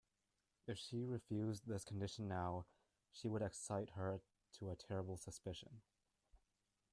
If she refused this condition now she would excite her to a terrible suspicion.